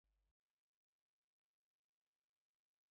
আমি কাওয়াজিরি বাড়ি খুজছি।